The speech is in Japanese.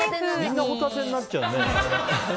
みんなホタテになっちゃうね。